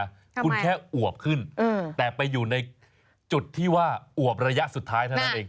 คุณแค่อวบขึ้นแต่ไปอยู่ในจุดที่ว่าอวบระยะสุดท้ายเท่านั้นเอง